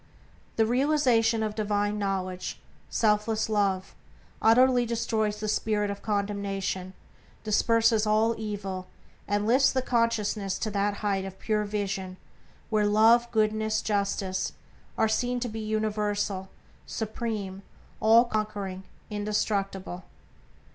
The realization of divine knowledge, selfless Love, utterly destroys the spirit of condemnation, disperses all evil, and lifts the consciousness to that height of pure vision where Love, Goodness, Justice are seen to be universal, supreme, all conquering, indestructible.